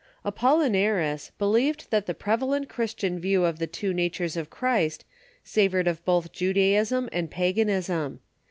Apollinaris believed that the prevalent Christian view of the two natures in Christ savored of both Judaism and pagan ism.